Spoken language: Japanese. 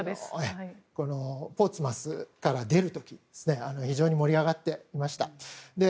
ポーツマスから出る時に非常に盛り上がっていました。